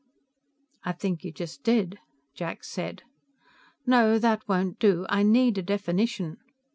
"I think you just did," Jack said. "No, that won't do. I need a definition."